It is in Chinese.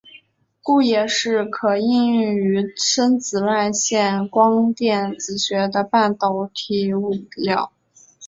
故也是可应用于深紫外线光电子学的半导体物料。